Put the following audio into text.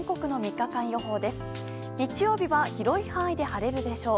日曜日は広い範囲で晴れるでしょう。